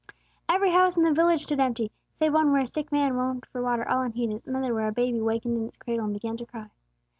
Every house in the village stood empty, save one where a sick man moaned for water all unheeded, and another where a baby wakened in its cradle and began to cry.